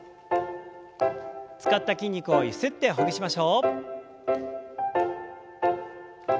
使った筋肉をゆすってほぐしましょう。